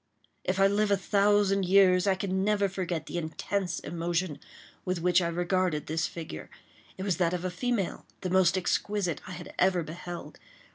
If I live a thousand years, I can never forget the intense emotion with which I regarded this figure. It was that of a female, the most exquisite I had ever beheld.